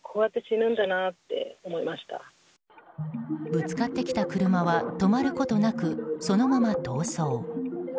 ぶつかってきた車は止まることなく、そのまま逃走。